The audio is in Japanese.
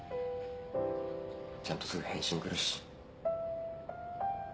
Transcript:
ちゃんとすぐ返信来るし。